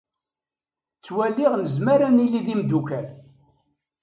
Ttwaliɣ nezmer ad nili d imeddukal.